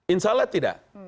insya allah tidak